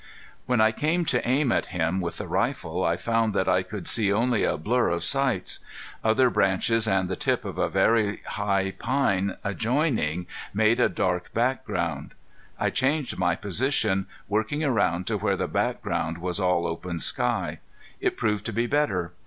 When I came to aim at him with the rifle I found that I could see only a blur of sights. Other branches and the tip of a very high pine adjoining made a dark background. I changed my position, working around to where the background was all open sky. It proved to be better.